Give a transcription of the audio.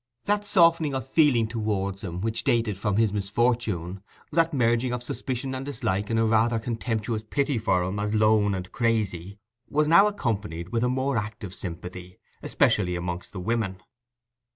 That softening of feeling towards him which dated from his misfortune, that merging of suspicion and dislike in a rather contemptuous pity for him as lone and crazy, was now accompanied with a more active sympathy, especially amongst the women.